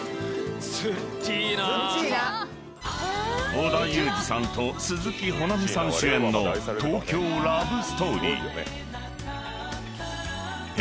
［織田裕二さんと鈴木保奈美さん主演の『東京ラブストーリー』］